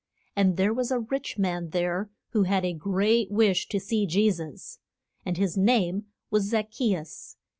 And there was a rich man there who had a great wish to see Je sus. And his name was Zac che us.